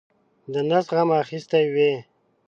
د نس غم اخیستی وي.